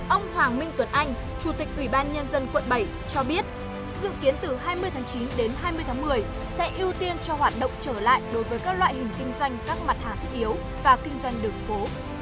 ông hoàng minh tuấn anh chủ tịch ủy ban nhân dân quận bảy cho biết dự kiến từ hai mươi tháng chín đến hai mươi tháng một mươi sẽ ưu tiên cho hoạt động trở lại đối với các loại hình kinh doanh các mặt hàng thiết yếu và kinh doanh đường phố